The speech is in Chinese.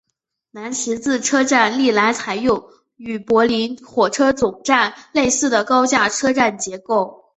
南十字车站历来采用与柏林火车总站类似的高架车站结构。